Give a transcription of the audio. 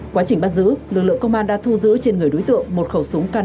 quá trình bắt giữ lực lượng công an đã thu giữ trên người đối tượng một khẩu súng k năm mươi chín